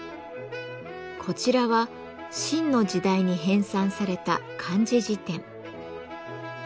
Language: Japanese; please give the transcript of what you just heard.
こちらは清の時代に編纂された漢字字典。